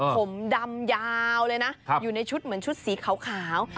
ผมดำยาวเลยนะอยู่ในชุดเหมือนชุดสีขาว